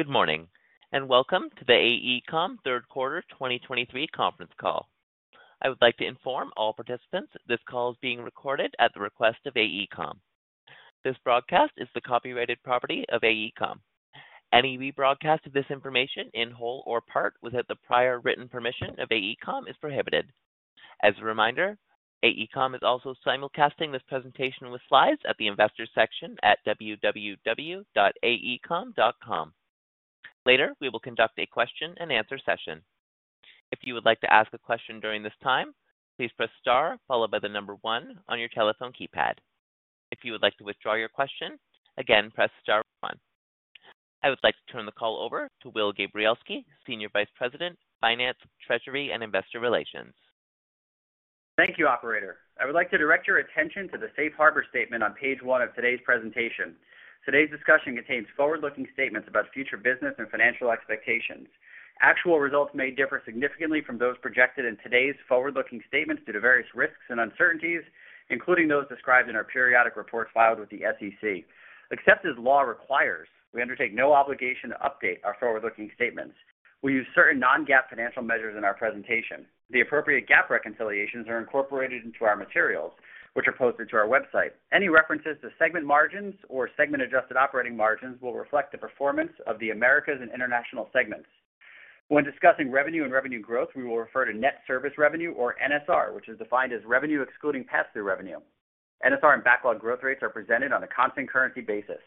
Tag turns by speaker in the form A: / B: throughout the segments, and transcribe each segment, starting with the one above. A: Good morning. Welcome to the AECOM Third Quarter 2023 conference call. I would like to inform all participants this call is being recorded at the request of AECOM. This broadcast is the copyrighted property of AECOM. Any rebroadcast of this information in whole or part without the prior written permission of AECOM is prohibited. As a reminder, AECOM is also simulcasting this presentation with slides at the investor section at www.aecom.com. Later, we will conduct a question-and-answer session. If you would like to ask a question during this time, please press star followed by the number one on your telephone keypad. If you would like to withdraw your question, again, press star one. I would like to turn the call over to Will Gabrielski, Senior Vice President, Finance, Treasury, and Investor Relations.
B: Thank you, operator. I would like to direct your attention to the Safe Harbor statement on page one of today's presentation. Today's discussion contains forward-looking statements about future business and financial expectations. Actual results may differ significantly from those projected in today's forward-looking statements due to various risks and uncertainties, including those described in our periodic reports filed with the SEC. Except as law requires, we undertake no obligation to update our forward-looking statements. We use certain non-GAAP financial measures in our presentation. The appropriate GAAP reconciliations are incorporated into our materials, which are posted to our website. Any references to segment margins or segment adjusted operating margins will reflect the performance of the Americas and International segments. When discussing revenue and revenue growth, we will refer to net service revenue, or NSR, which is defined as revenue excluding pass-through revenue. NSR and backlog growth rates are presented on a constant currency basis.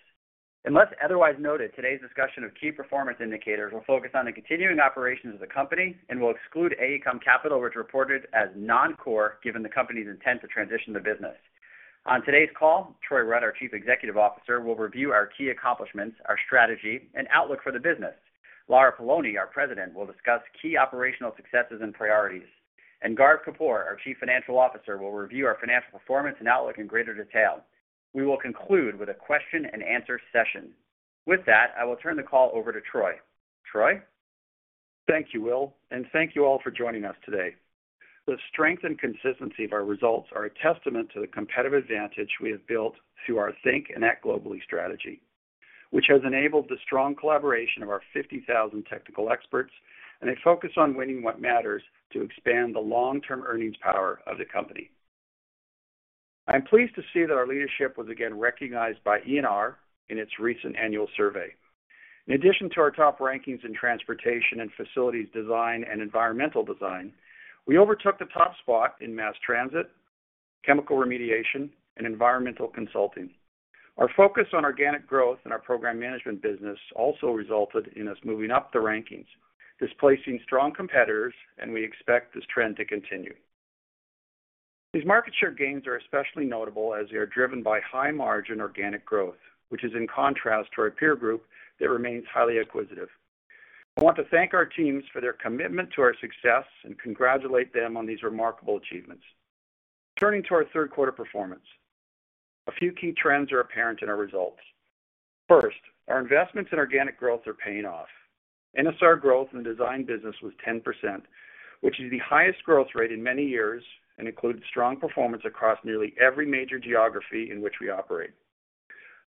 B: Unless otherwise noted, today's discussion of key performance indicators will focus on the continuing operations of the company and will exclude AECOM Capital, which reported as non-core, given the company's intent to transition the business. On today's call, Troy Rudd, our Chief Executive Officer, will review our key accomplishments, our strategy, and outlook for the business. Lara Poloni, our President, will discuss key operational successes and priorities. Gaurav Kapoor, our Chief Financial Officer, will review our financial performance and outlook in greater detail. We will conclude with a question-and-answer session. With that, I will turn the call over to Troy. Troy?
C: Thank you, Will, thank you all for joining us today. The strength and consistency of our results are a testament to the competitive advantage we have built through our Think and Act Globally strategy, which has enabled the strong collaboration of our 50,000 technical experts and a focus on winning what matters to expand the long-term earnings power of the company. I am pleased to see that our leadership was again recognized by ENR in its recent annual survey. In addition to our top rankings in transportation and facilities design and environmental design, we overtook the top spot in mass transit, chemical remediation, and environmental consulting. Our focus on organic growth in our program management business also resulted in us moving up the rankings, displacing strong competitors, and we expect this trend to continue. These market share gains are especially notable as they are driven by high-margin organic growth, which is in contrast to our peer group that remains highly acquisitive. I want to thank our teams for their commitment to our success and congratulate them on these remarkable achievements. Turning to our third quarter performance, a few key trends are apparent in our results. First, our investments in organic growth are paying off. NSR growth in the design business was 10%, which is the highest growth rate in many years and includes strong performance across nearly every major geography in which we operate.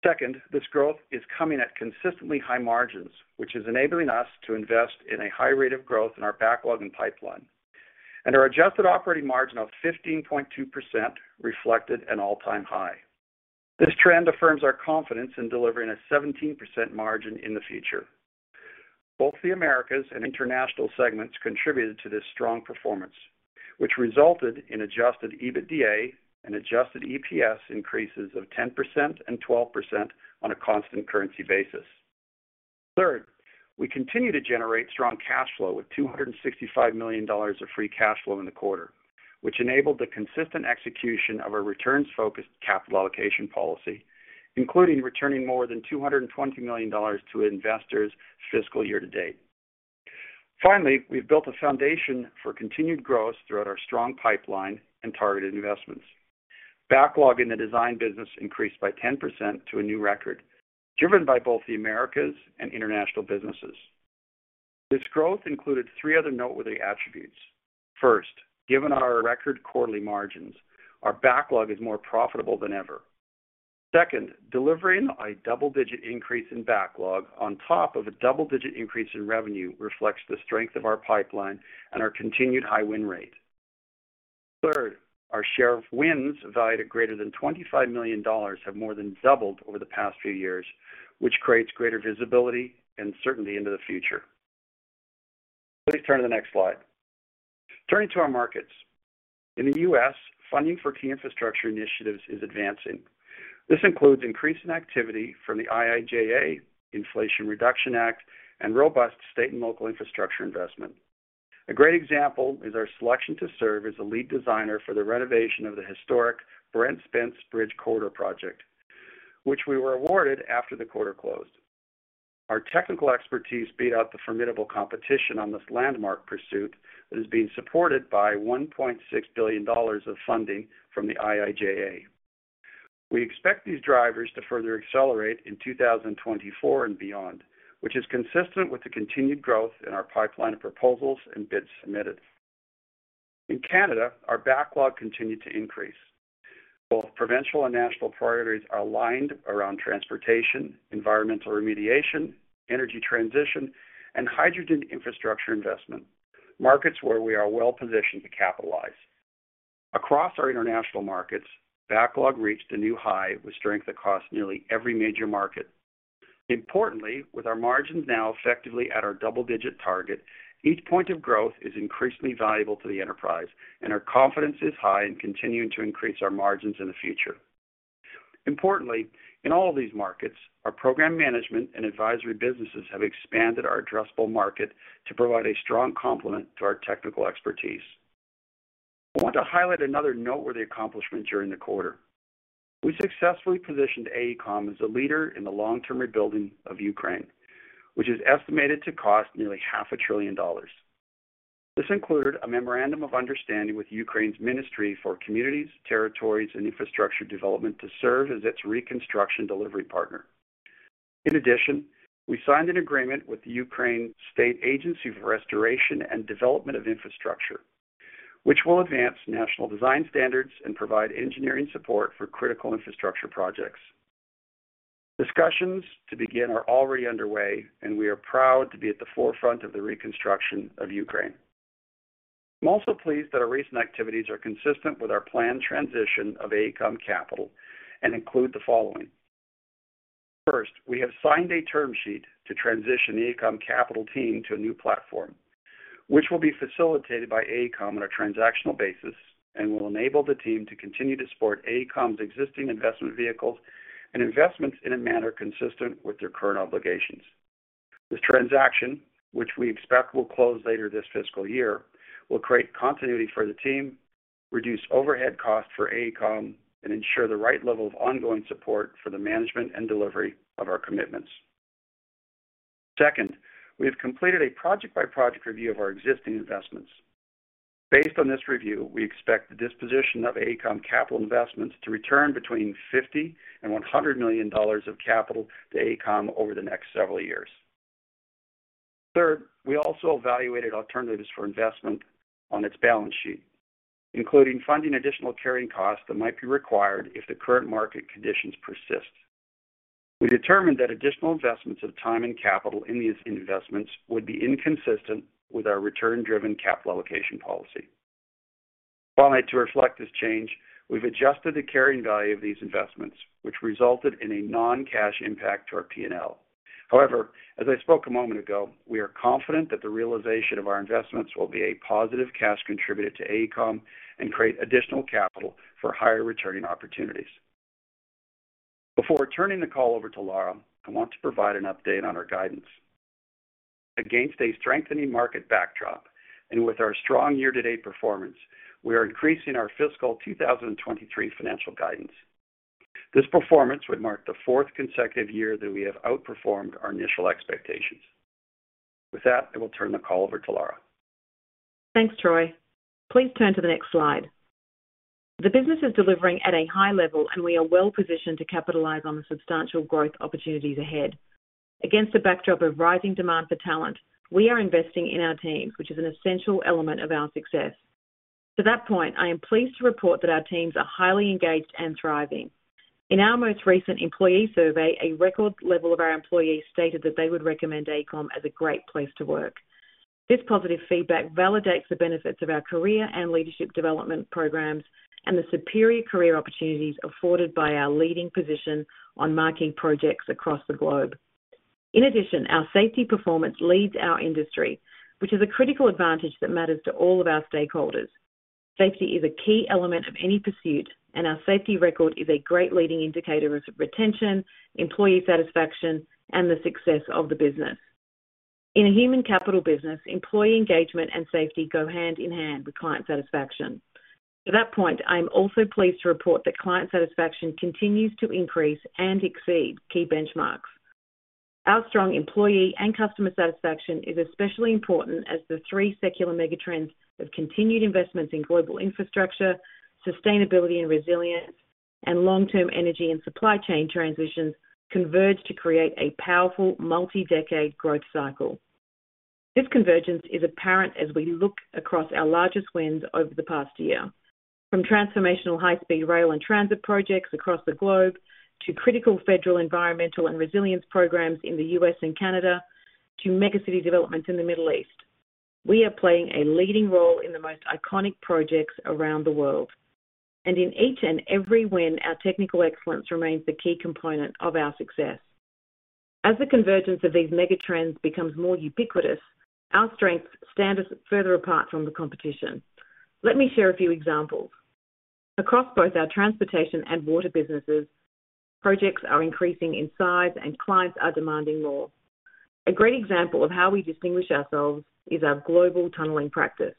C: Second, this growth is coming at consistently high margins, which is enabling us to invest in a high rate of growth in our backlog and pipeline, and our adjusted operating margin of 15.2% reflected an all-time high. This trend affirms our confidence in delivering a 17% margin in the future. Both the Americas and International segments contributed to this strong performance, which resulted in adjusted EBITDA and adjusted EPS increases of 10% and 12% on a constant currency basis. Third, we continue to generate strong cash flow, with $265 million of free cash flow in the quarter, which enabled the consistent execution of our returns-focused capital allocation policy, including returning more than $220 million to investors fiscal year to date. Finally, we've built a foundation for continued growth throughout our strong pipeline and targeted investments. Backlog in the design business increased by 10% to a new record, driven by both the Americas and international businesses. This growth included three other noteworthy attributes. First, given our record quarterly margins, our backlog is more profitable than ever. Second, delivering a double-digit increase in backlog on top of a double-digit increase in revenue reflects the strength of our pipeline and our continued high win rate. Third, our share of wins valued at greater than $25 million have more than doubled over the past few years, which creates greater visibility and certainty into the future. Please turn to the next slide. Turning to our markets. In the U.S., funding for key infrastructure initiatives is advancing. This includes increasing activity from the IIJA, Inflation Reduction Act, and robust state and local infrastructure investment. A great example is our selection to serve as the lead designer for the renovation of the historic Brent Spence Bridge Corridor project, which we were awarded after the quarter closed. Our technical expertise beat out the formidable competition on this landmark pursuit that is being supported by $1.6 billion of funding from the IIJA. We expect these drivers to further accelerate in 2024 and beyond, which is consistent with the continued growth in our pipeline of proposals and bids submitted. In Canada, our backlog continued to increase. Both provincial and national priorities are aligned around transportation, environmental remediation, energy transition, and hydrogen infrastructure investment, markets where we are well-positioned to capitalize. Across our international markets, backlog reached a new high, with strength across nearly every major market. Importantly, with our margins now effectively at our double-digit target, each point of growth is increasingly valuable to the enterprise, and our confidence is high in continuing to increase our margins in the future. Importantly, in all of these markets, our program management and advisory businesses have expanded our addressable market to provide a strong complement to our technical expertise. I want to highlight another noteworthy accomplishment during the quarter. We successfully positioned AECOM as a leader in the long-term rebuilding of Ukraine, which is estimated to cost nearly $500 billion. This included a memorandum of understanding with Ukraine's Ministry for Communities, Territories and Infrastructure Development to serve as its reconstruction delivery partner. In addition, we signed an agreement with the Ukraine State Agency for Restoration and Development of Infrastructure, which will advance national design standards and provide engineering support for critical infrastructure projects. Discussions to begin are already underway. We are proud to be at the forefront of the reconstruction of Ukraine. I'm also pleased that our recent activities are consistent with our planned transition of AECOM Capital and include the following: First, we have signed a term sheet to transition the AECOM Capital team to a new platform, which will be facilitated by AECOM on a transactional basis and will enable the team to continue to support AECOM's existing investment vehicles and investments in a manner consistent with their current obligations. This transaction, which we expect will close later this fiscal year, will create continuity for the team, reduce overhead costs for AECOM, and ensure the right level of ongoing support for the management and delivery of our commitments. Second, we have completed a project-by-project review of our existing investments. Based on this review, we expect the disposition of AECOM Capital investments to return between $50 million and $100 million of capital to AECOM over the next several years. Third, we also evaluated alternatives for investment on its balance sheet, including funding additional carrying costs that might be required if the current market conditions persist. We determined that additional investments of time and capital in these investments would be inconsistent with our return-driven capital allocation policy. Finally, to reflect this change, we've adjusted the carrying value of these investments, which resulted in a non-cash impact to our P&L. However, as I spoke a moment ago, we are confident that the realization of our investments will be a positive cash contributor to AECOM and create additional capital for higher-returning opportunities. Before turning the call over to Lara, I want to provide an update on our guidance. Against a strengthening market backdrop and with our strong year-to-date performance, we are increasing our fiscal 2023 financial guidance. This performance would mark the fourth consecutive year that we have outperformed our initial expectations. With that, I will turn the call over to Lara.
D: Thanks, Troy. Please turn to the next slide. The business is delivering at a high level, we are well positioned to capitalize on the substantial growth opportunities ahead. Against a backdrop of rising demand for talent, we are investing in our teams, which is an essential element of our success. To that point, I am pleased to report that our teams are highly engaged and thriving. In our most recent employee survey, a record level of our employees stated that they would recommend AECOM as a great place to work. This positive feedback validates the benefits of our career and leadership development programs and the superior career opportunities afforded by our leading position on marking projects across the globe. In addition, our safety performance leads our industry, which is a critical advantage that matters to all of our stakeholders. Safety is a key element of any pursuit, and our safety record is a great leading indicator of retention, employee satisfaction, and the success of the business. In a human capital business, employee engagement and safety go hand in hand with client satisfaction. At that point, I am also pleased to report that client satisfaction continues to increase and exceed key benchmarks. Our strong employee and customer satisfaction is especially important as the three secular megatrends of continued investments in global infrastructure, sustainability and resilience, and long-term energy and supply chain transitions converge to create a powerful, multi-decade growth cycle. This convergence is apparent as we look across our largest wins over the past year, from transformational high-speed rail and transit projects across the globe to critical federal environmental and resilience programs in the U.S. and Canada, to megacity developments in the Middle East. We are playing a leading role in the most iconic projects around the world, and in each and every win, our technical excellence remains the key component of our success. As the convergence of these megatrends becomes more ubiquitous, our strengths stand us further apart from the competition. Let me share a few examples. Across both our transportation and water businesses, projects are increasing in size and clients are demanding more. A great example of how we distinguish ourselves is our global tunneling practice.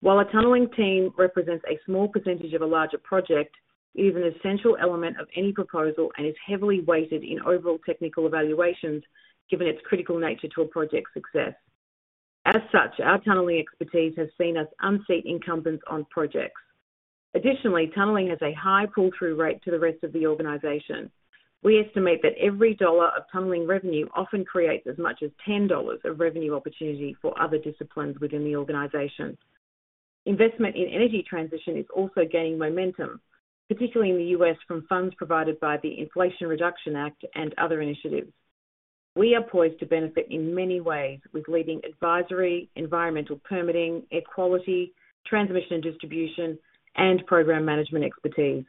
D: While a tunneling team represents a small percentage of a larger project, it is an essential element of any proposal and is heavily weighted in overall technical evaluations, given its critical nature to a project's success. As such, our tunneling expertise has seen us unseat incumbents on projects. Additionally, tunneling has a high pull-through rate to the rest of the organization. We estimate that every $1 of tunneling revenue often creates as much as $10 of revenue opportunity for other disciplines within the organization. Investment in energy transition is also gaining momentum, particularly in the U.S., from funds provided by the Inflation Reduction Act and other initiatives. We are poised to benefit in many ways with leading advisory, environmental permitting, air quality, transmission and distribution, and program management expertise.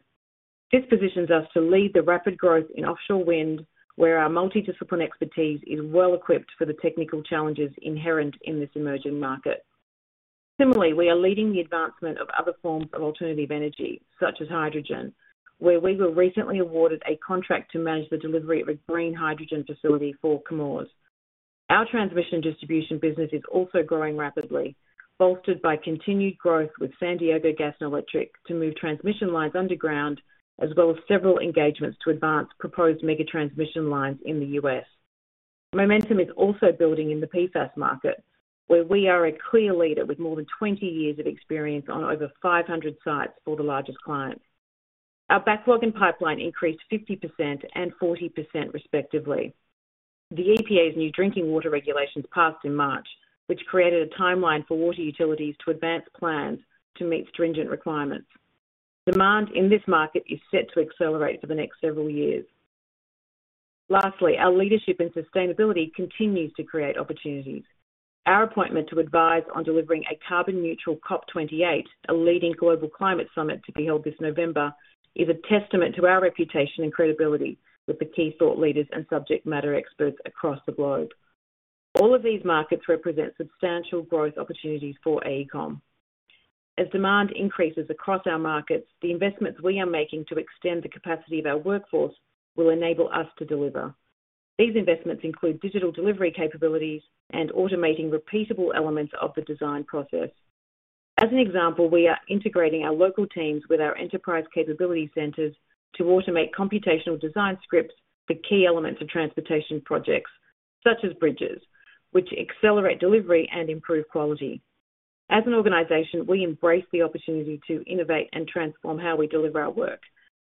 D: This positions us to lead the rapid growth in offshore wind, where our multi-discipline expertise is well equipped for the technical challenges inherent in this emerging market. Similarly, we are leading the advancement of other forms of alternative energy, such as hydrogen, where we were recently awarded a contract to manage the delivery of a green hydrogen facility for Chemours. Our transmission distribution business is also growing rapidly, bolstered by continued growth with San Diego Gas & Electric to move transmission lines underground, as well as several engagements to advance proposed mega transmission lines in the U.S. Momentum is also building in the PFAS market, where we are a clear leader with more than 20 years of experience on over 500 sites for the largest clients. Our backlog and pipeline increased 50% and 40%, respectively. The EPA's new drinking water regulations passed in March, which created a timeline for water utilities to advance plans to meet stringent requirements. Demand in this market is set to accelerate for the next several years. Lastly, our leadership and sustainability continues to create opportunities. Our appointment to advise on delivering a carbon neutral COP28, a leading global climate summit to be held this November, is a testament to our reputation and credibility with the key thought leaders and subject matter experts across the globe. All of these markets represent substantial growth opportunities for AECOM. As demand increases across our markets, the investments we are making to extend the capacity of our workforce will enable us to deliver. These investments include digital delivery capabilities and automating repeatable elements of the design process. As an example, we are integrating our local teams with our enterprise capability centers to automate computational design scripts for key elements of transportation projects, such as bridges, which accelerate delivery and improve quality. As an organization, we embrace the opportunity to innovate and transform how we deliver our work,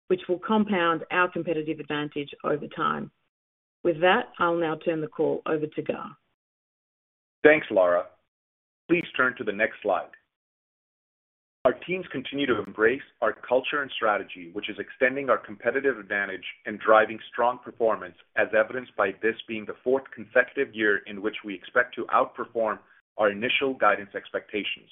D: which will compound our competitive advantage over time. With that, I'll now turn the call over to Gaurav.
E: Thanks, Lara. Please turn to the next slide. Our teams continue to embrace our culture and strategy, which is extending our competitive advantage and driving strong performance, as evidenced by this being the fourth consecutive year in which we expect to outperform our initial guidance expectations.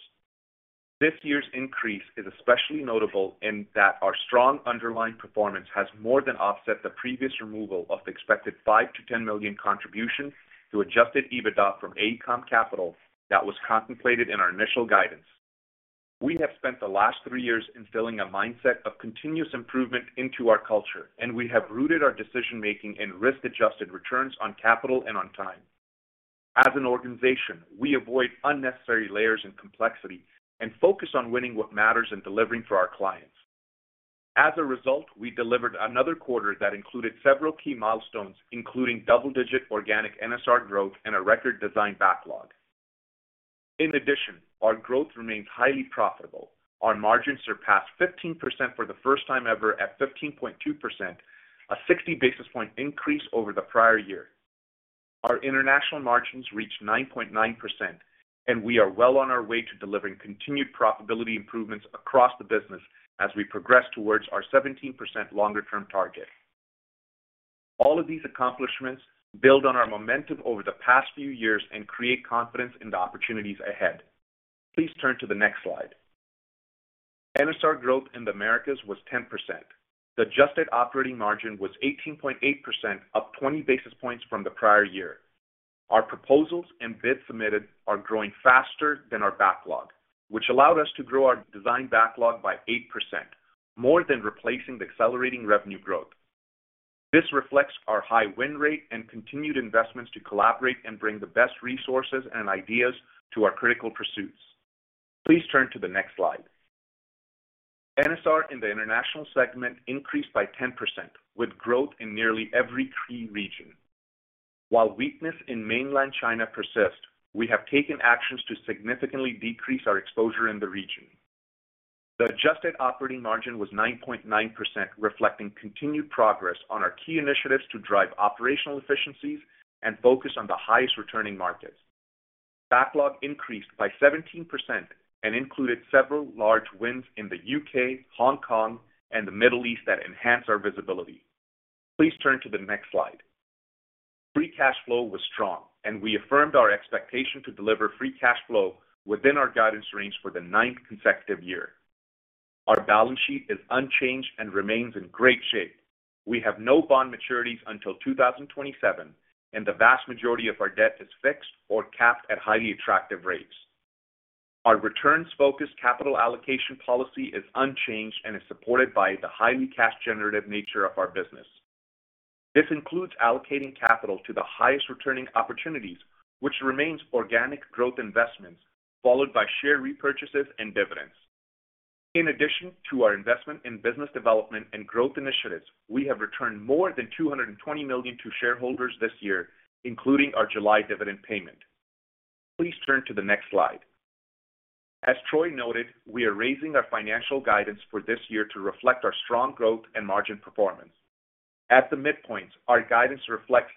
E: This year's increase is especially notable in that our strong underlying performance has more than offset the previous removal of the expected $5 million-$10 million contribution to adjusted EBITDA from AECOM Capital that was contemplated in our initial guidance. We have spent the last three years instilling a mindset of continuous improvement into our culture, and we have rooted our decision-making in risk-adjusted returns on capital and on time. As an organization, we avoid unnecessary layers and complexity and focus on winning what matters and delivering for our clients. As a result, we delivered another quarter that included several key milestones, including double-digit organic NSR growth and a record design backlog. In addition, our growth remains highly profitable. Our margins surpassed 15% for the first time ever at 15.2%, a 60 basis point increase over the prior year. We are well on our way to delivering continued profitability improvements across the business as we progress towards our 17% longer term target. All of these accomplishments build on our momentum over the past few years and create confidence in the opportunities ahead. Please turn to the next slide. NSR growth in the Americas was 10%. The adjusted operating margin was 18.8%, up 20 basis points from the prior year. Our proposals and bids submitted are growing faster than our backlog, which allowed us to grow our design backlog by 8%, more than replacing the accelerating revenue growth. This reflects our high win rate and continued investments to collaborate and bring the best resources and ideas to our critical pursuits. Please turn to the next slide. NSR in the international segment increased by 10%, with growth in nearly every key region. While weakness in mainland China persists, we have taken actions to significantly decrease our exposure in the region. The adjusted operating margin was 9.9%, reflecting continued progress on our key initiatives to drive operational efficiencies and focus on the highest returning markets. Backlog increased by 17% and included several large wins in the U.K., Hong Kong, and the Middle East that enhance our visibility. Please turn to the next slide. Free cash flow was strong, and we affirmed our expectation to deliver free cash flow within our guidance range for the ninth consecutive year. Our balance sheet is unchanged and remains in great shape. We have no bond maturities until 2027, and the vast majority of our debt is fixed or capped at highly attractive rates. Our returns-focused capital allocation policy is unchanged and is supported by the highly cash-generative nature of our business. This includes allocating capital to the highest returning opportunities, which remains organic growth investments, followed by share repurchases and dividends. In addition to our investment in business development and growth initiatives, we have returned more than $220 million to shareholders this year, including our July dividend payment.... Please turn to the next slide. As Troy noted, we are raising our financial guidance for this year to reflect our strong growth and margin performance. At the midpoints, our guidance reflects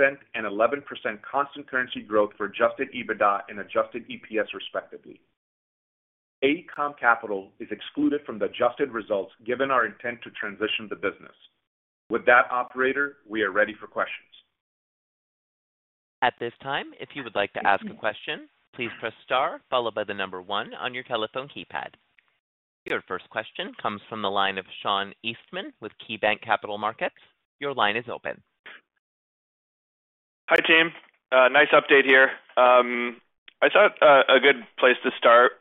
E: 10% and 11% constant currency growth for adjusted EBITDA and adjusted EPS, respectively. AECOM Capital is excluded from the adjusted results, given our intent to transition the business. Operator, we are ready for questions.
A: At this time, if you would like to ask a question, please press star followed by one on your telephone keypad. Your first question comes from the line of Sean Eastman with KeyBanc Capital Markets. Your line is open.
F: Hi, team. Nice update here. I thought a good place to start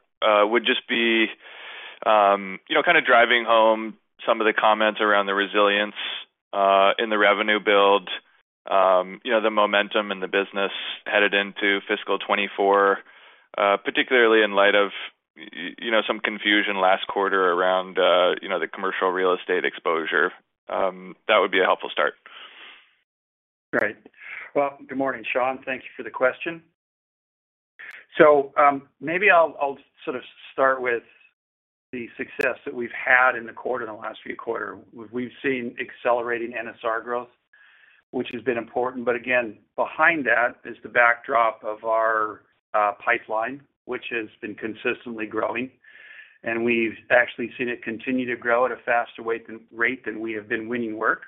F: would just be, you know, kind of driving home some of the comments around the resilience in the revenue build, you know, the momentum in the business headed into fiscal 2024, particularly in light of, you know, some confusion last quarter around, you know, the commercial real estate exposure. That would be a helpful start.
C: Great. Well, good morning, Sean. Thank you for the question. Well, maybe I'll, I'll sort of start with the success that we've had in the quarter, in the last few quarter. We've seen accelerating NSR growth, which has been important, but again, behind that is the backdrop of our pipeline, which has been consistently growing, and we've actually seen it continue to grow at a faster rate than we have been winning work.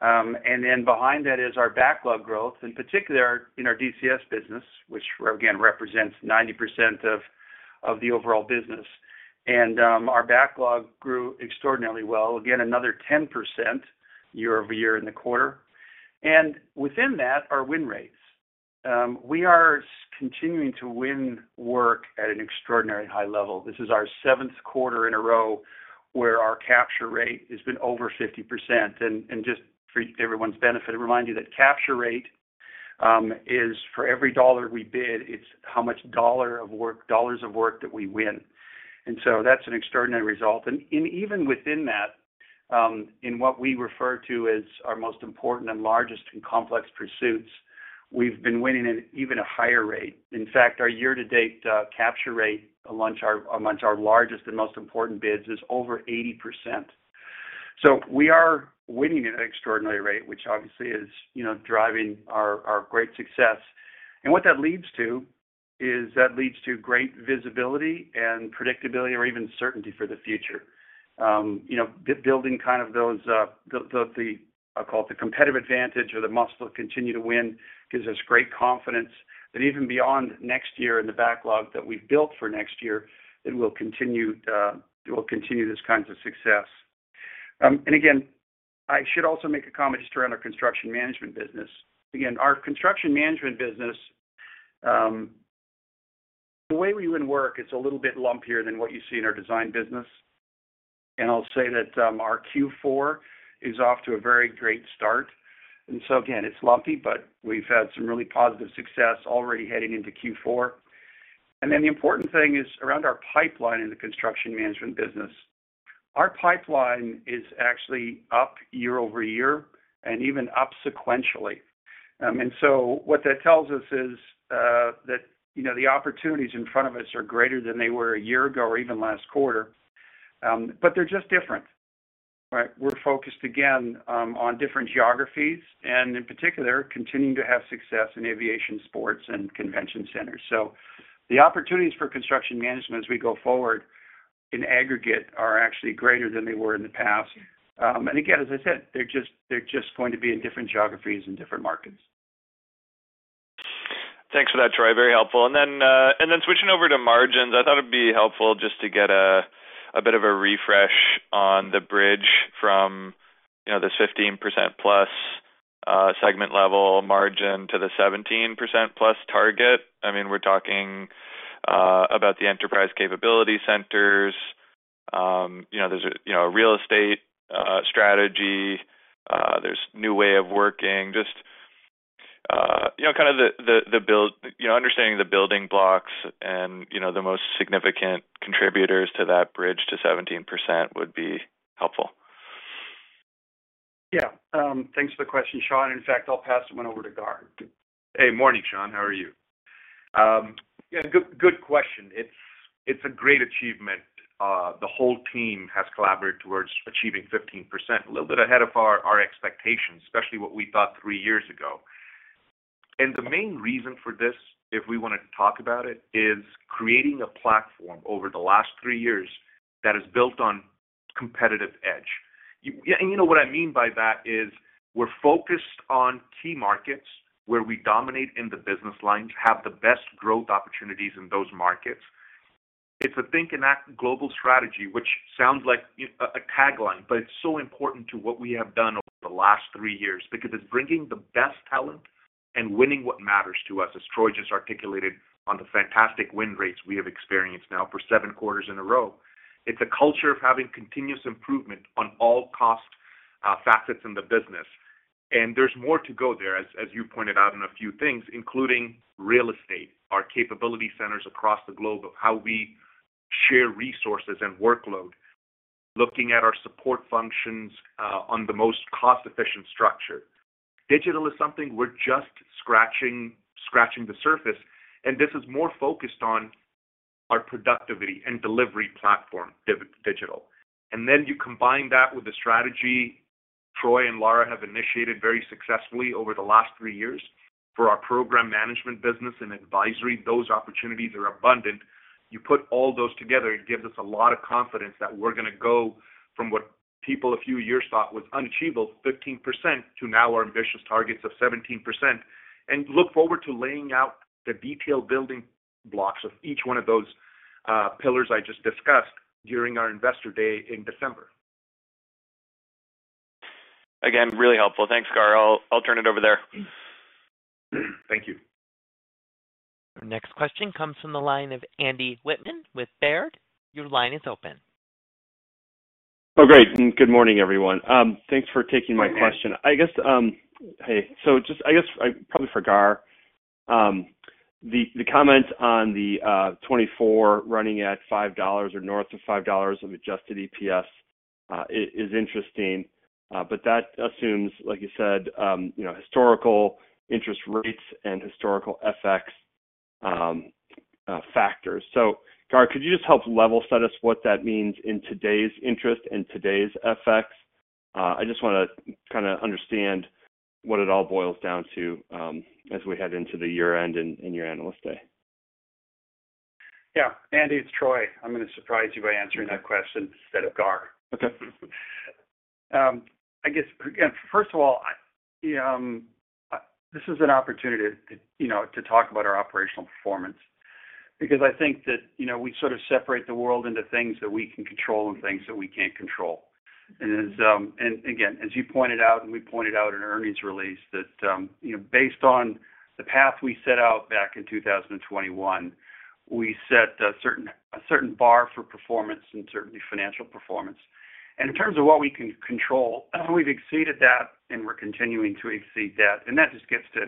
C: Then behind that is our backlog growth, in particular in our DCS business, which again, represents 90% of, of the overall business. Our backlog grew extraordinarily well. Again, another 10% year-over-year in the quarter. Within that, our win rates. We are continuing to win work at an extraordinarily high level. This is our seventh quarter in a row, where our capture rate has been over 50%. Just for everyone's benefit, I remind you that capture rate is for every dollar we bid, it's how much dollars of work that we win. That's an extraordinary result. Even within that, in what we refer to as our most important and largest and complex pursuits, we've been winning at even a higher rate. In fact, our year-to-date capture rate among our, among our largest and most important bids is over 80%. We are winning at an extraordinary rate, which obviously is, you know, driving our, our great success. What that leads to is that leads to great visibility and predictability or even certainty for the future. You know, building kind of those, the, the, I call it, the competitive advantage or the muscle to continue to win gives us great confidence that even beyond next year in the backlog that we've built for next year, it will continue, it will continue this kinds of success. Again, I should also make a comment just around our construction management business. Again, our construction management business, the way we win work, it's a little bit lumpier than what you see in our design business, and I'll say that, our Q4 is off to a very great start. Again, it's lumpy, but we've had some really positive success already heading into Q4. The important thing is around our pipeline in the construction management business. Our pipeline is actually up year-over-year and even up sequentially. What that tells us is that, you know, the opportunities in front of us are greater than they were a year ago or even last quarter, but they're just different, right? We're focused again on different geographies, and in particular, continuing to have success in aviation, sports, and convention centers. The opportunities for construction management as we go forward in aggregate, are actually greater than they were in the past. Again, as I said, they're just, they're just going to be in different geographies and different markets.
F: Thanks for that, Troy. Very helpful. Then switching over to margins, I thought it'd be helpful just to get a bit of a refresh on the bridge from, you know, this 15% plus segment level margin to the 17% plus target. I mean, we're talking about the enterprise capability centers. You know, there's a, you know, a real estate strategy, there's new way of working, just, you know, kind of the, the, the, you know, understanding the building blocks and, you know, the most significant contributors to that bridge to 17% would be helpful.
C: Yeah. Thanks for the question, Sean. In fact, I'll pass one over to Gaurav.
E: Hey, morning, Sean. How are you? Yeah, good, good question. It's, it's a great achievement. The whole team has collaborated towards achieving 15%, a little bit ahead of our, our expectations, especially what we thought three years ago. The main reason for this, if we want to talk about it, is creating a platform over the last three years that is built on competitive edge. You know, what I mean by that is we're focused on key markets where we dominate in the business lines, have the best growth opportunities in those markets. It's a Think and Act Globally strategy, which sounds like a tagline, but it's so important to what we have done over the last three years because it's bringing the best talent and winning what matters to us, as Troy just articulated on the fantastic win rates we have experienced now for seven quarters in a row. It's a culture of having continuous improvement on all cost facets in the business, and there's more to go there, as, as you pointed out in a few things, including real estate, our capability centers across the globe of how we share resources and workload, looking at our support functions on the most cost-efficient structure. Digital is something we're just scratching, scratching the surface, and this is more focused on our productivity and delivery platform, digital. Then you combine that with the strategy Troy and Lara have initiated very successfully over the last three years for our program management business and advisory. Those opportunities are abundant. You put all those together, it gives us a lot of confidence that we're gonna go from what people a few years thought was unachievable, 15%, to now our ambitious targets of 17%, and look forward to laying out the detailed building blocks of each one of those pillars I just discussed during our Investor Day in December.
F: Again, really helpful. Thanks, Gaur. I'll turn it over there.
E: Thank you.
A: Our next question comes from the line of Andy Wittmann with Baird. Your line is open.
G: Oh, great, and good morning, everyone. Thanks for taking my question. Probably for Gaurav, the comment on the 2024 running at $5 or north of $5 of adjusted EPS, is interesting, but that assumes, like you said, you know, historical interest rates and historical FX factors. Gaurav, could you just help level set us what that means in today's interest and today's FX? I just wanna kinda understand what it all boils down to, as we head into the year-end and your Analyst Day.
C: Yeah, Andy, it's Troy. I'm gonna surprise you by answering that question instead of Gaurav.
G: Okay.
C: I guess, again, first of all, I, this is an opportunity to, you know, to talk about our operational performance because I think that, you know, we sort of separate the world into things that we can control and things that we can't control. As and again, as you pointed out, and we pointed out in our earnings release that, you know, based on the path we set out back in 2021, we set a certain, a certain bar for performance and certainly financial performance. In terms of what we can control, we've exceeded that, and we're continuing to exceed that. That just gets to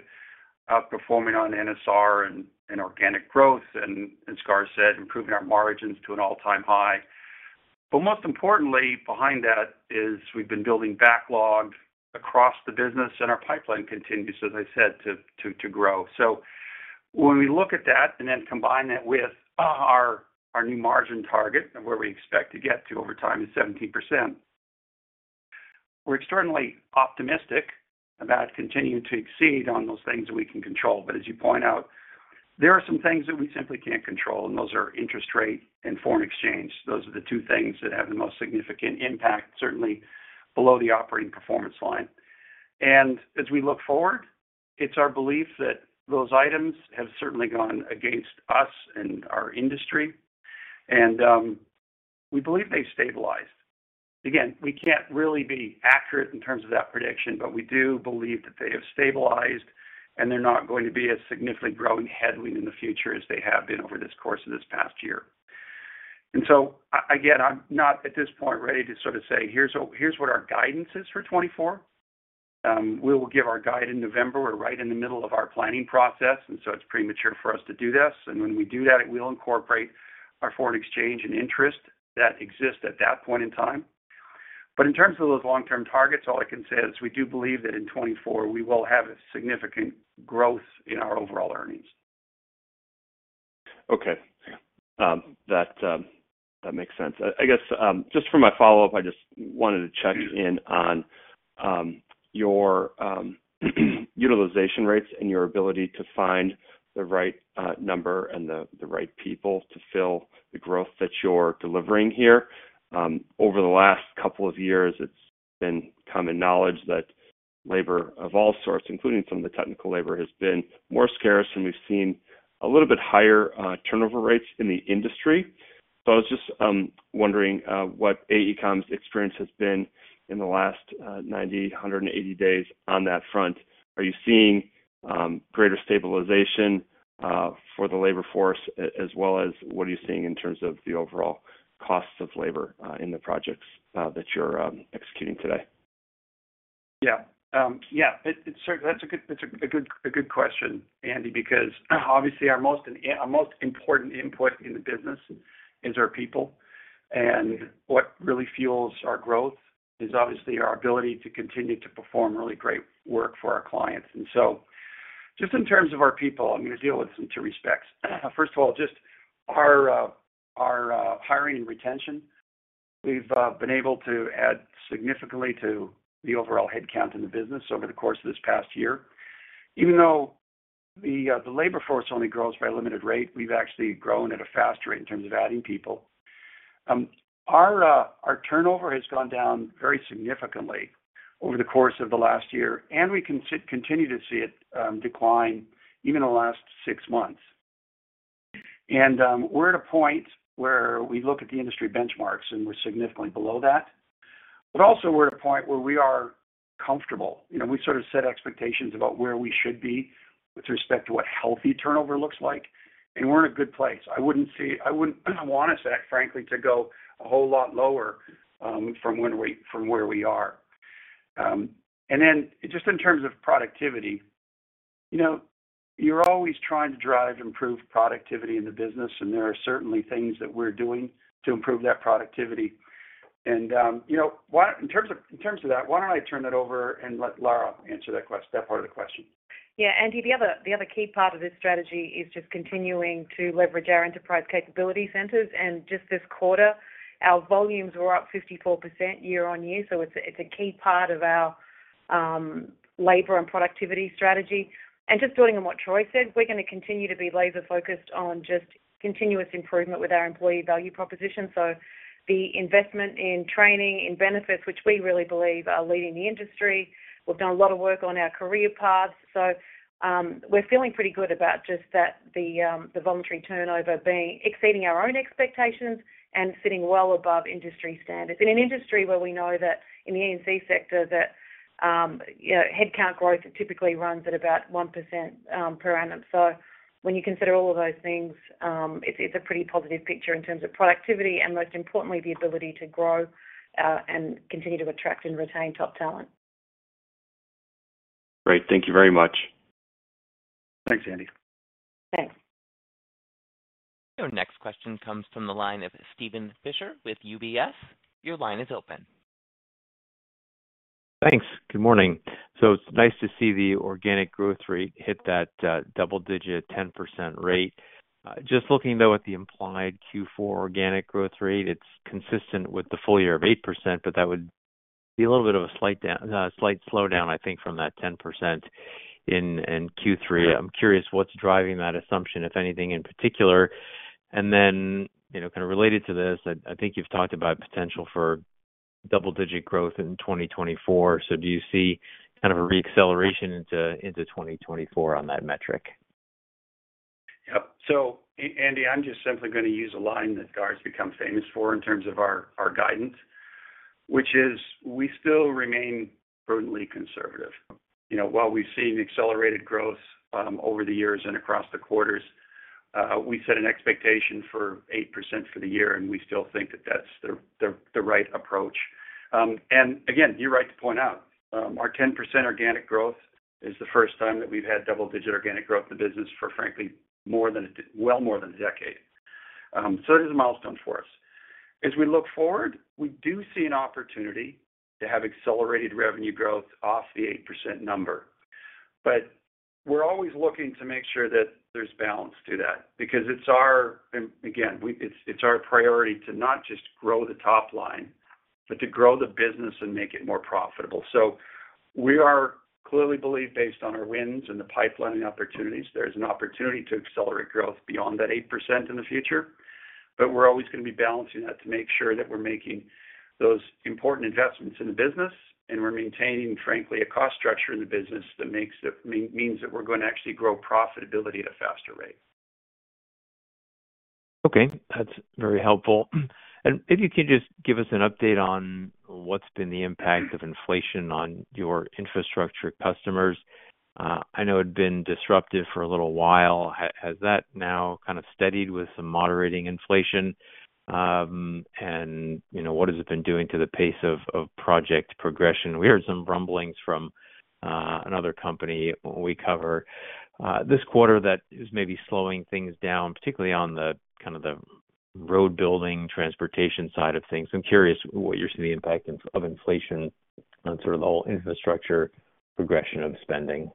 C: outperforming on NSR and, and organic growth, and as Gaur said, improving our margins to an all-time high. Most importantly, behind that is we've been building backlogs across the business, and our pipeline continues, as I said, to grow. When we look at that and then combine that with our, our new margin target and where we expect to get to over time is 17%, we're extraordinarily optimistic about continuing to exceed on those things that we can control. As you point out, there are some things that we simply can't control, and those are interest rate and foreign exchange. Those are the two things that have the most significant impact, certainly below the operating performance line. As we look forward, it's our belief that those items have certainly gone against us and our industry, and we believe they've stabilized. We can't really be accurate in terms of that prediction, but we do believe that they have stabilized, and they're not going to be as significantly growing headwind in the future as they have been over this course of this past year. again, I'm not at this point ready to sort of say, "Here's what, here's what our guidance is for 2024." We will give our guide in November. We're right in the middle of our planning process, and so it's premature for us to do this. We'll incorporate our foreign exchange and interest that exists at that point in time. All I can say is we do believe that in 2024, we will have a significant growth in our overall earnings.
G: Okay. That makes sense. I, I guess, just for my follow-up, I just wanted to check in on your utilization rates and your ability to find the right number and the right people to fill the growth that you're delivering here. Over the last couple of years, it's been common knowledge that labor of all sorts, including some of the technical labor, has been more scarce, and we've seen a little bit higher turnover rates in the industry. I was just wondering what AECOM's experience has been in the last 90, 180 days on that front. Are you seeing greater stabilization for the labor force, as well as what are you seeing in terms of the overall costs of labor in the projects that you're executing today?
C: Yeah. Yeah, that's a good, a good question, Andy, because obviously our most important input in the business is our people. What really fuels our growth is obviously our ability to continue to perform really great work for our clients. Just in terms of our people, I'm gonna deal with in two respects. First of all, just our hiring and retention. We've been able to add significantly to the overall headcount in the business over the course of this past year. Even though the labor force only grows by a limited rate, we've actually grown at a faster rate in terms of adding people. Our turnover has gone down very significantly over the course of the last year, and we can continue to see it decline even in the last six months. We're at a point where we look at the industry benchmarks, and we're significantly below that, but also we're at a point where we are comfortable. You know, we sort of set expectations about where we should be with respect to what healthy turnover looks like, and we're in a good place. I wouldn't want us, frankly, to go a whole lot lower from where we are. Then just in terms of productivity. You know, you're always trying to drive improved productivity in the business, and there are certainly things that we're doing to improve that productivity. You know, in terms of, in terms of that, why don't I turn that over and let Lara answer that part of the question?
D: Yeah, Andy, the other, the other key part of this strategy is just continuing to leverage our enterprise capability centers. Just this quarter, our volumes were up 54% year-over-year. It's a, it's a key part of our labor and productivity strategy. Just building on what Troy said, we're gonna continue to be laser focused on just continuous improvement with our employee value proposition. So the investment in training, in benefits, which we really believe are leading the industry. We've done a lot of work on our career paths, so we're feeling pretty good about just that, the voluntary turnover being exceeding our own expectations and sitting well above industry standards. In an industry where we know that in the E&C sector, that, you know, headcount growth typically runs at about 1% per annum. When you consider all of those things, it's, it's a pretty positive picture in terms of productivity and most importantly, the ability to grow and continue to attract and retain top talent.
G: Great. Thank you very much.
C: Thanks, Andy.
D: Thanks.
A: Your next question comes from the line of Steven Fisher with UBS. Your line is open.
H: Thanks. Good morning. It's nice to see the organic growth rate hit that double digit 10% rate. Just looking, though, at the implied Q4 organic growth rate, it's consistent with the full year of 8%, but that would be a little bit of a slight down- slight slowdown, I think, from that 10% in, in Q3. I'm curious what's driving that assumption, if anything, in particular? You know, kind of related to this, I, I think you've talked about potential for double-digit growth in 2024. Do you see kind of a re-acceleration into, into 2024 on that metric?
C: Yep. A-Andy, I'm just simply gonna use a line that Guar's become famous for in terms of our, our guidance, which is we still remain prudently conservative. You know, while we've seen accelerated growth over the years and across the quarters, we set an expectation for 8% for the year, and we still think that that's the, the, the right approach. Again, you're right to point out, our 10% organic growth is the first time that we've had double-digit organic growth in the business for, frankly, more than a d-- well more than a decade. It is a milestone for us. As we look forward, we do see an opportunity to have accelerated revenue growth off the 8% number. We're always looking to make sure that there's balance to that, because it's, it's our priority to not just grow the top line, but to grow the business and make it more profitable. We are clearly believe, based on our wins and the pipeline and opportunities, there's an opportunity to accelerate growth beyond that 8% in the future. We're always gonna be balancing that to make sure that we're making those important investments in the business, and we're maintaining, frankly, a cost structure in the business that makes it means that we're going to actually grow profitability at a faster rate.
H: Okay, that's very helpful. If you can just give us an update on what's been the impact of inflation on your infrastructure customers? I know it's been disruptive for a little while. Has that now kind of steadied with some moderating inflation? You know, what has it been doing to the pace of, of project progression? We heard some rumblings from another company we cover this quarter that is maybe slowing things down, particularly on the kind of the road building, transportation side of things. I'm curious what you're seeing the impact in, of inflation on sort of the whole infrastructure progression of spending.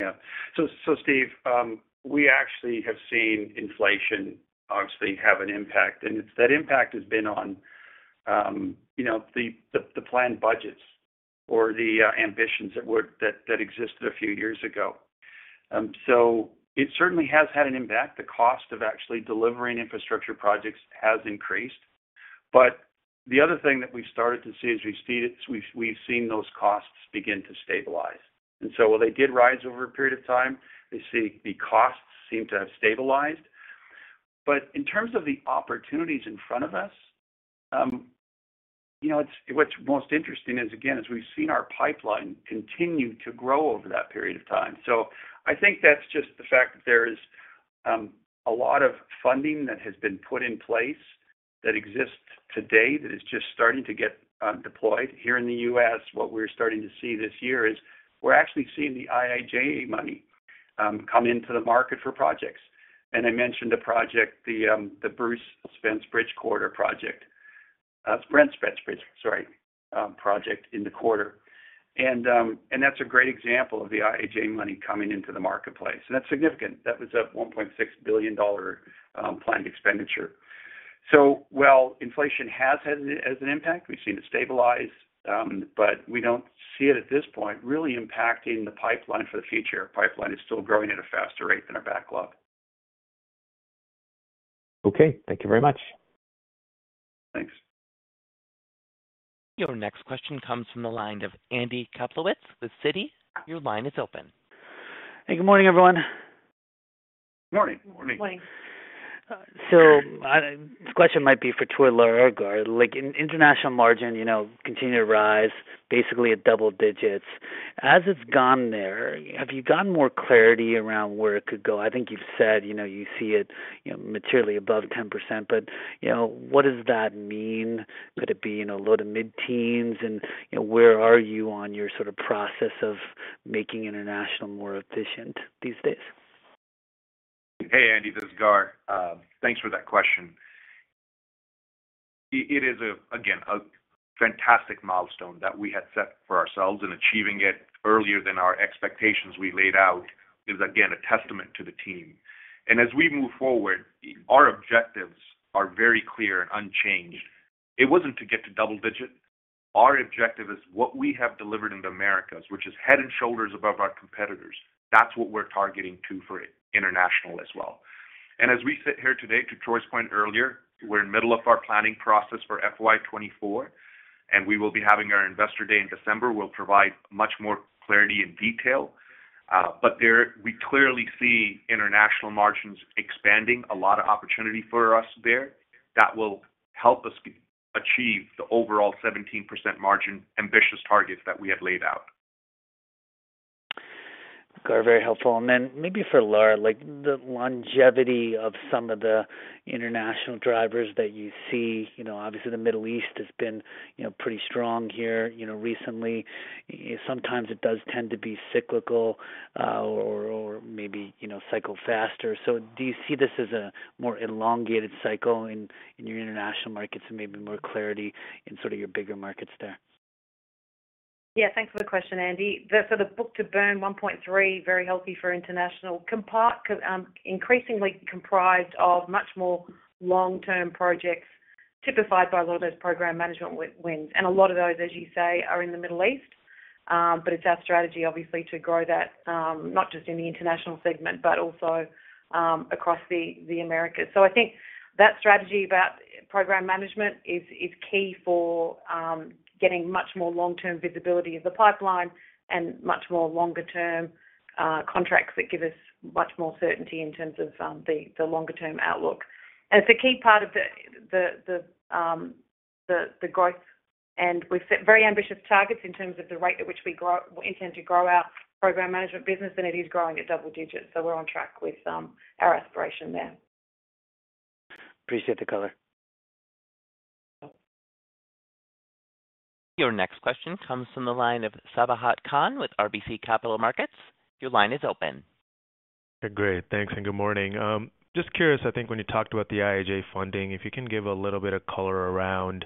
C: Yeah. So, so, Steve, we actually have seen inflation obviously have an impact, and it's that impact has been on, you know, the, the, the planned budgets or the ambitions that were, that, that existed a few years ago. It certainly has had an impact. The cost of actually delivering infrastructure projects has increased. The other thing that we've started to see as we've seen it, we've, we've seen those costs begin to stabilize. While they did rise over a period of time, they see the costs seem to have stabilized. In terms of the opportunities in front of us, you know, it's what's most interesting is, again, as we've seen our pipeline continue to grow over that period of time. I think that's just the fact that there is a lot of funding that has been put in place that exists today, that is just starting to get deployed. Here in the U.S., what we're starting to see this year is we're actually seeing the IIJA money come into the market for projects. I mentioned a project, the Brent Spence Bridge Corridor project, Brent Spence Bridge, sorry, project in the quarter. That's a great example of the IIJA money coming into the marketplace, and that's significant. That was a $1.6 billion planned expenditure. While inflation has had an, as an impact, we've seen it stabilize, but we don't see it at this point, really impacting the pipeline for the future. Pipeline is still growing at a faster rate than our backlog.
H: Okay. Thank you very much.
C: Thanks.
A: Your next question comes from the line of Andy Kaplowitz with Citi. Your line is open.
I: Hey, good morning, everyone.
C: Morning.
D: Morning.
A: Morning.
I: This question might be for Troy or Gaurav. Like, in international margin, you know, continue to rise basically at double digits. As it's gone there, have you gotten more clarity around where it could go? I think you've said, you know, you see it, you know, materially above 10%, but, you know, what does that mean? Could it be in a low to mid-teens? You know, where are you on your sort of process of making international more efficient these days?
E: Hey, Andy, this is Gaurav. Thanks for that question. It, it is, again, a fantastic milestone that we had set for ourselves, and achieving it earlier than our expectations we laid out is, again, a testament to the team. As we move forward, our objectives are very clear and unchanged. It wasn't to get to double-digit. Our objective is what we have delivered in the Americas, which is head and shoulders above our competitors. That's what we're targeting, too, for International as well. As we sit here today, to Troy's point earlier, we're in the middle of our planning process for FY24, and we will be having our Investor Day in December. We'll provide much more clarity and detail. There, we clearly see International margins expanding. A lot of opportunity for us there.
C: That will help us achieve the overall 17% margin ambitious targets that we have laid out.
I: Gaurav, very helpful. Then maybe for Lara, like, the longevity of some of the international drivers that you see. You know, obviously, the Middle East has been, you know, pretty strong here, you know, recently. Sometimes it does tend to be cyclical, or, or maybe, you know, cycle faster. Do you see this as a more elongated cycle in, in your international markets and maybe more clarity in sort of your bigger markets there?
D: Yeah, thanks for the question, Andy. The book-to-burn 1.3, very healthy for international. compared, increasingly comprised of much more long-term projects, typified by a lot of those program management wins, and a lot of those, as you say, are in the Middle East. It's our strategy obviously to grow that, not just in the international segment, but also, across the, the Americas. I think that strategy about program management is, is key for getting much more long-term visibility of the pipeline and much more longer-term contracts that give us much more certainty in terms of the, the longer-term outlook. It's a key part of the, the, the, the growth. We've set very ambitious targets in terms of the rate at which we grow, intend to grow our program management business, and it is growing at double digits, so we're on track with our aspiration there.
I: Appreciate the color.
A: Your next question comes from the line of Sabahat Khan with RBC Capital Markets. Your line is open.
J: Great. Thanks, and good morning. Just curious, I think when you talked about the IIJA funding, if you can give a little bit of color around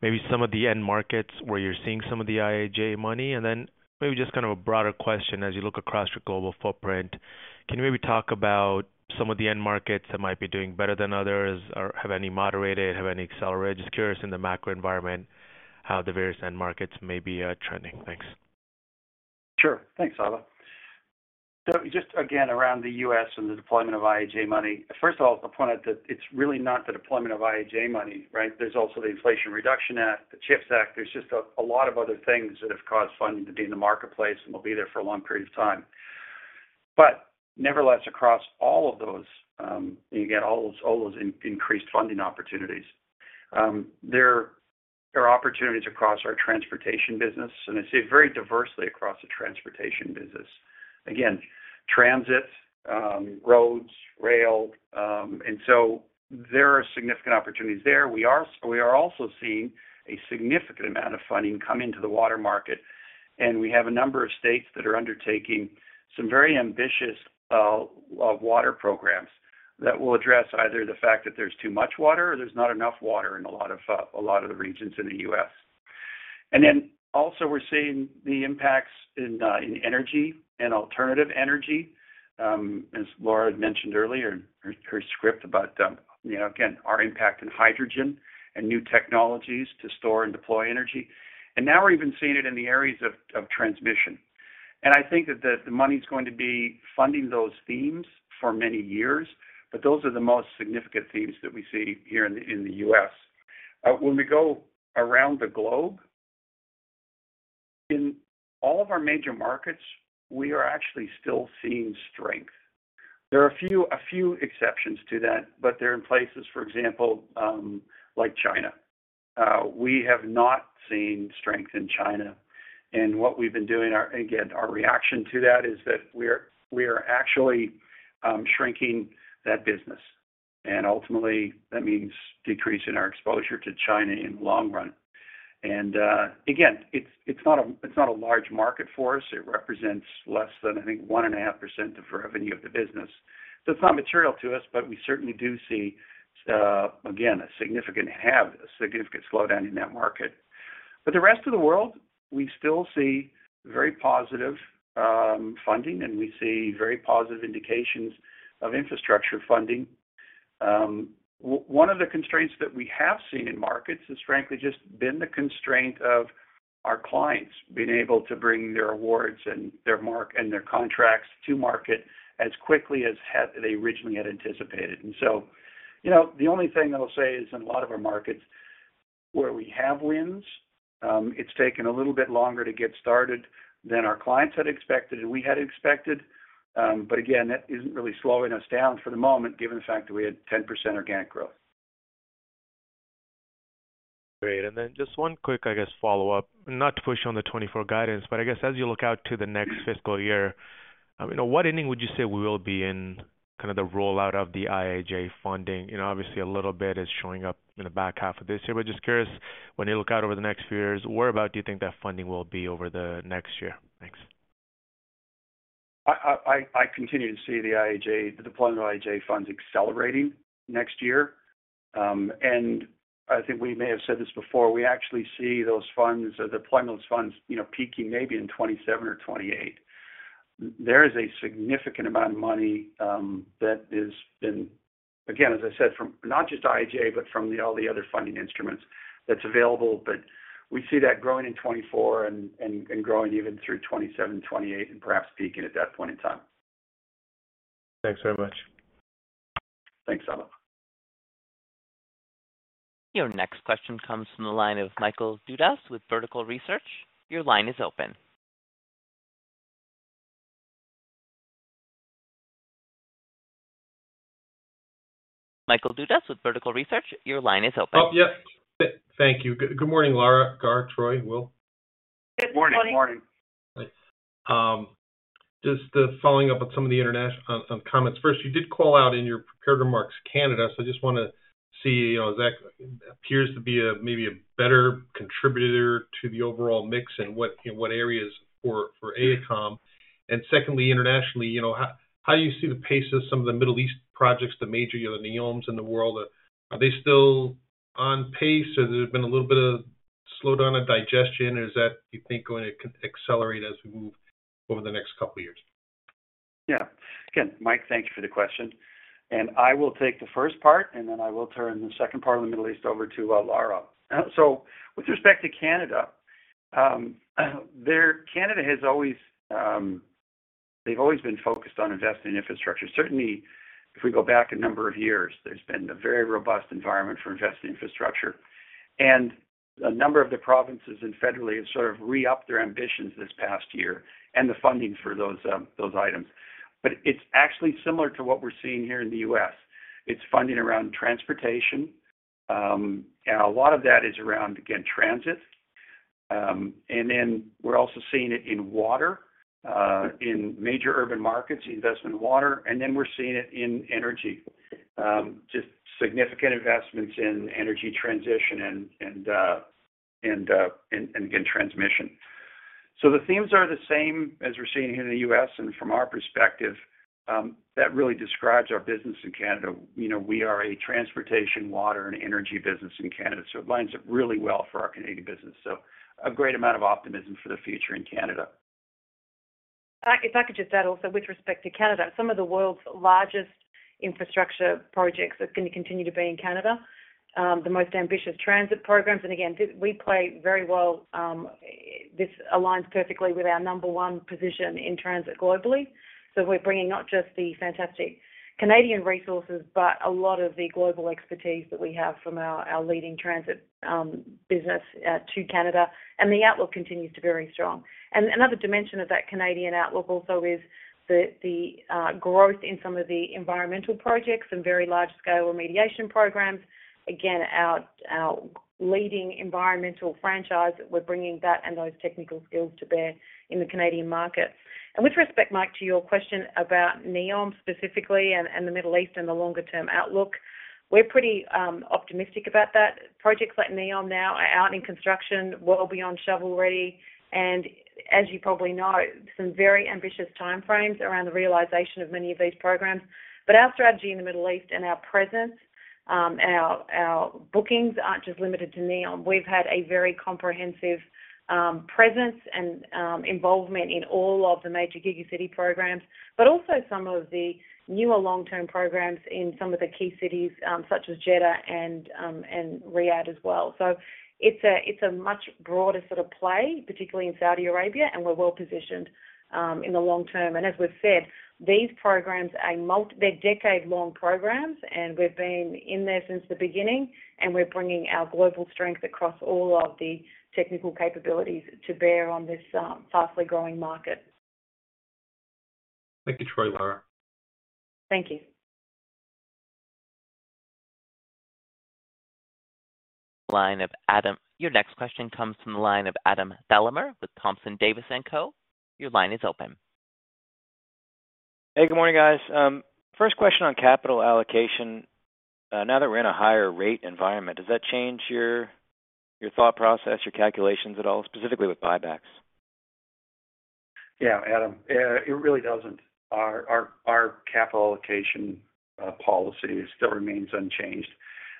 J: maybe some of the end markets where you're seeing some of the IIJA money, and then maybe just kind of a broader question as you look across your global footprint. Can you maybe talk about some of the end markets that might be doing better than others, or have any moderated, have any accelerated? Just curious in the macro environment, how the various end markets may be trending. Thanks.
C: Sure. Thanks, Sabahat. So just again, around the U.S. and the deployment of IIJ money. First of all, I'll point out that it's really not the deployment of IIJ money, right? There's also the Inflation Reduction Act, the CHIPS Act. There's just a lot of other things that have caused funding to be in the marketplace and will be there for a long period of time. Nevertheless, across all of those, you get all those increased funding opportunities. There are opportunities across our transportation business, and I'd say very diversely across the transportation business. Again, transit, roads, rail, so there are significant opportunities there. We are also seeing a significant amount of funding come into the water market. We have a number of states that are undertaking some very ambitious water programs that will address either the fact that there's too much water or there's not enough water in a lot of, a lot of the regions in the U.S. Then also we're seeing the impacts in energy and alternative energy. As Lara mentioned earlier in her script about, you know, again, our impact in hydrogen and new technologies to store and deploy energy, and now we're even seeing it in the areas of transmission. I think that the, the money's going to be funding those themes for many years, but those are the most significant themes that we see here in the, in the U.S. When we go around the globe, in all of our major markets, we are actually still seeing strength. There are a few, a few exceptions to that, but they're in places, for example, like China. We have not seen strength in China, and what we've been doing, again, our reaction to that is that we're, we are actually shrinking that business, and ultimately, that means decreasing our exposure to China in the long run. Again, it's, it's not a, it's not a large market for us. It represents less than, I think, 1.5% of revenue of the business. It's not material to us, but we certainly do see, again, a significant slowdown in that market. The rest of the world, we still see very positive funding, and we see very positive indications of infrastructure funding. One of the constraints that we have seen in markets has frankly just been the constraint of our clients being able to bring their awards and their contracts to market as quickly as had they originally had anticipated. You know, the only thing that I'll say is, in a lot of our markets where we have wins, it's taken a little bit longer to get started than our clients had expected and we had expected. Again, that isn't really slowing us down for the moment, given the fact that we had 10% organic growth.
J: Great. Then just one quick, I guess, follow-up. Not to push on the 2024 guidance, but I guess as you look out to the next fiscal year, you know, what inning would you say we will be in kind of the rollout of the IIJ funding? You know, obviously, a little bit is showing up in the back half of this year, but just curious, when you look out over the next few years, where about do you think that funding will be over the next year? Thanks. ...
C: I, I, I, I continue to see the IIJA, the deployment of IIJA funds accelerating next year. I think we may have said this before, we actually see those funds, or the deployment of those funds, you know, peaking maybe in 2027 or 2028. There is a significant amount of money that has been, again, as I said, from not just IIJA, but from all the other funding instruments that's available. We see that growing in 2024 and, and, and growing even through 2027, 2028, and perhaps peaking at that point in time.
J: Thanks very much.
C: Thanks, Sabahat.
A: Your next question comes from the line of Michael Dudas with Vertical Research. Your line is open. Michael Dudas with Vertical Research, your line is open.
K: Oh, yes. Thank you. Good, good morning, Lara, Gaurav, Troy, Will.
D: Good morning.
C: Morning.
K: Just following up on some of the international on, on comments, first, you did call out in your prepared remarks, Canada, so I just wanna see, you know, does that appears to be a, maybe a better contributor to the overall mix and what, you know, what areas for, for AECOM? Secondly, internationally, you know, how, how do you see the pace of some of the Middle East projects, the major, you know, the NEOMs in the world? Are they still on pace, or there's been a little bit of slowdown or digestion, or is that, you think, going to accelerate as we move over the next couple of years?
C: Yeah. Again, Mike, thank you for the question. I will take the first part, and then I will turn the second part on the Middle East over to Lara. With respect to Canada, Canada has always, they've always been focused on investing in infrastructure. Certainly, if we go back a number of years, there's been a very robust environment for investing in infrastructure. A number of the provinces and federally have sort of re-upped their ambitions this past year and the funding for those, those items. It's actually similar to what we're seeing here in the U.S. It's funding around transportation, and a lot of that is around, again, transit. Then we're also seeing it in water, in major urban markets, investment in water, and then we're seeing it in energy. Just significant investments in energy transition and, and, and, and transmission. The themes are the same as we're seeing here in the U.S., and from our perspective, that really describes our business in Canada. You know, we are a transportation, water, and energy business in Canada, so it lines up really well for our Canadian business. A great amount of optimism for the future in Canada.
D: If I could just add also, with respect to Canada, some of the world's largest infrastructure projects are going to continue to be in Canada. The most ambitious transit programs, and again, we play very well, this aligns perfectly with our number one position in transit globally. We're bringing not just the fantastic Canadian resources, but a lot of the global expertise that we have from our, our leading transit, business, to Canada, and the outlook continues to very strong. Another dimension of that Canadian outlook also is the, the, growth in some of the environmental projects and very large-scale remediation programs. Again, our, our leading environmental franchise, we're bringing that and those technical skills to bear in the Canadian market. With respect, Mike, to your question about NEOM specifically and, and the Middle East and the longer-term outlook, we're pretty optimistic about that. Projects like NEOM now are out in construction, well beyond shovel-ready, and as you probably know, some very ambitious time frames around the realization of many of these programs. Our strategy in the Middle East and our presence and our bookings aren't just limited to NEOM. We've had a very comprehensive presence and involvement in all of the major gigacity programs, but also some of the newer long-term programs in some of the key cities such as Jeddah and Riyadh as well. It's a, it's a much broader sort of play, particularly in Saudi Arabia, and we're well positioned in the long term. As we've said, these programs are they're decade-long programs, and we've been in there since the beginning, and we're bringing our global strength across all of the technical capabilities to bear on this, fastly growing market.
K: Thank you, Troy, Lara.
D: Thank you.
A: Your next question comes from the line of Adam Thalhimer with Thompson Davis & Co. Your line is open.
L: Hey, good morning, guys. First question on capital allocation. Now that we're in a higher rate environment, does that change your, your thought process, your calculations at all, specifically with buybacks?
C: Yeah, Adam, it really doesn't. Our, our, our capital allocation policy still remains unchanged.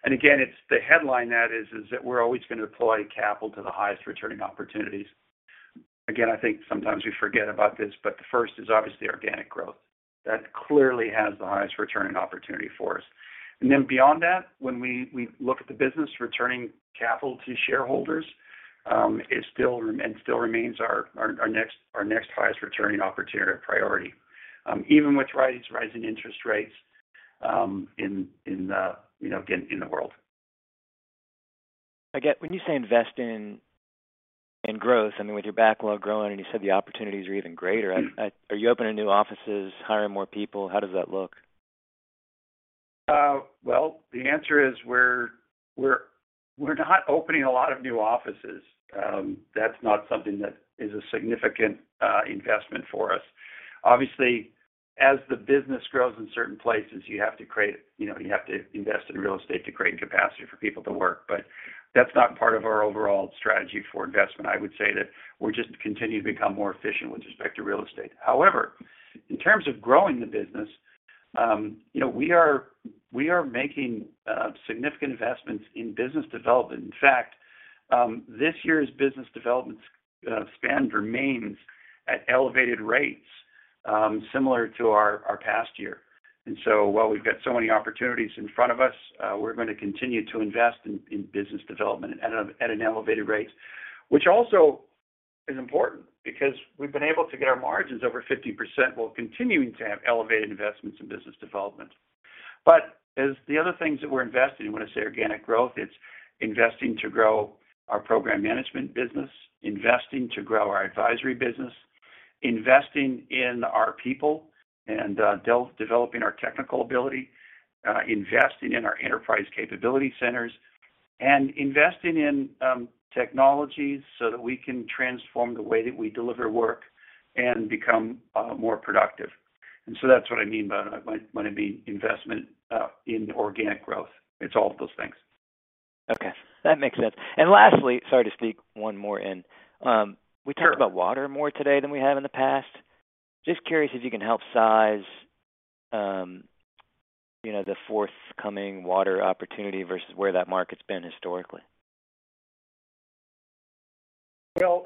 C: Again, it's the headline that is, is that we're always going to deploy capital to the highest returning opportunities. Again, I think sometimes we forget about this, but the first is obviously organic growth. That clearly has the highest returning opportunity for us. Then beyond that, when we, we look at the business, returning capital to shareholders, it still re-- and still remains our, our next, our next highest returning opportunity priority. Even with rising, rising interest rates, in, in, you know, again, in the world.
L: When you say invest in growth, I mean, with your backlog growing and you said the opportunities are even greater, are you opening new offices, hiring more people? How does that look?
C: Well, the answer is we're, we're, we're not opening a lot of new offices. That's not something that is a significant investment for us. Obviously, as the business grows in certain places, you have to create, you know, you have to invest in real estate to create capacity for people to work. That's not part of our overall strategy for investment. I would say that we're just continuing to become more efficient with respect to real estate. However, in terms of growing the business, you know, we are, we are making significant investments in business development. In fact, this year's business development spend remains at elevated rates, similar to our, our past year. While we've got so many opportunities in front of us, we're going to continue to invest in, in business development at an, at an elevated rate, which also is important because we've been able to get our margins over 50%, while continuing to have elevated investments in business development. As the other things that we're investing in, when I say organic growth, it's investing to grow our program management business, investing to grow our advisory business, investing in our people and, developing our technical ability, investing in our enterprise capability centers, and investing in, technologies so that we can transform the way that we deliver work and become, more productive. That's what I mean by, when, when I mean investment, in organic growth. It's all of those things.
L: Okay, that makes sense. Lastly, sorry to sneak one more in. We talked about water more today than we have in the past. Just curious if you can help size, you know, the forthcoming water opportunity versus where that market's been historically.
C: Well,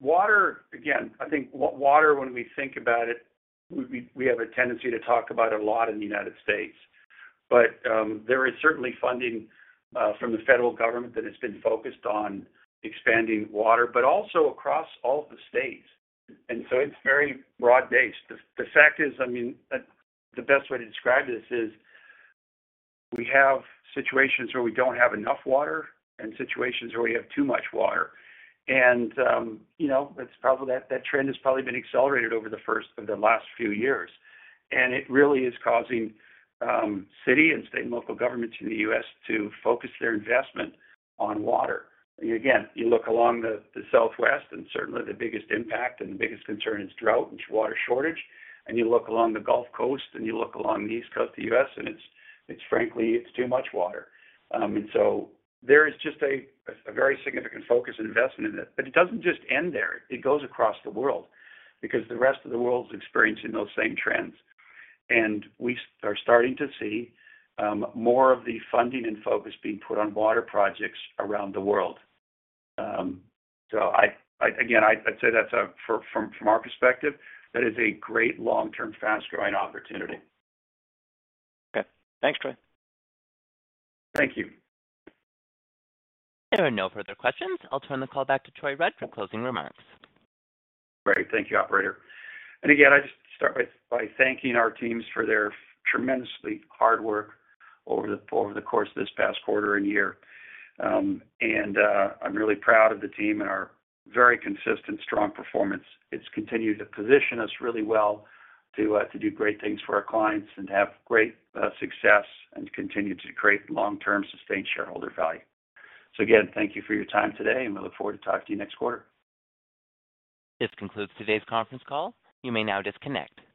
C: water, again, I think water, when we think about it, we, we have a tendency to talk about it a lot in the United States. There is certainly funding from the federal government that has been focused on expanding water, but also across all of the states. It's very broad-based. The, the fact is, I mean, the, the best way to describe this is, we have situations where we don't have enough water and situations where we have too much water. You know, it's probably that, that trend has probably been accelerated over the last few years. It really is causing city and state and local governments in the US to focus their investment on water. You look along the, the Southwest, and certainly the biggest impact and the biggest concern is drought and water shortage. You look along the Gulf Coast, and you look along the East Coast of the U.S., and it's, it's frankly, it's too much water. So there is just a, a very significant focus and investment in it. It doesn't just end there. It goes across the world, because the rest of the world is experiencing those same trends. We are starting to see more of the funding and focus being put on water projects around the world. I, I, again, I'd, I'd say that's a, from, from our perspective, that is a great long-term, fast-growing opportunity.
L: Okay. Thanks, Troy.
C: Thank you.
A: There are no further questions. I'll turn the call back to Troy Rudd for closing remarks.
C: Great, thank you, operator. Again, I just start by, by thanking our teams for their tremendously hard work over the over the course of this past quarter and year. I'm really proud of the team and our very consistent, strong performance. It's continued to position us really well to, to do great things for our clients and to have great success and continue to create long-term, sustained shareholder value. Again, thank you for your time today, and we look forward to talking to you next quarter.
A: This concludes today's conference call. You may now disconnect.